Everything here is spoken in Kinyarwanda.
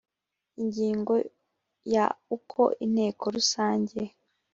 ingingo ya uko inteko rusange